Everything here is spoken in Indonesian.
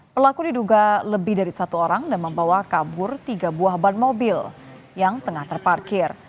pelaku diduga lebih dari satu orang dan membawa kabur tiga buah ban mobil yang tengah terparkir